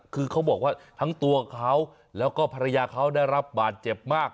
คือเขาบอกว่าทั้งตัวเขาแล้วก็ภรรยาเขาได้รับบาดเจ็บมาก